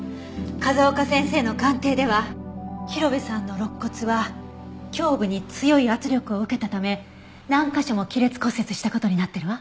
風丘先生の鑑定では広辺さんの肋骨は胸部に強い圧力を受けたため何カ所も亀裂骨折した事になってるわ。